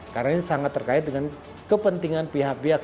karena ini sangat terkait dengan kepentingan pihak pihak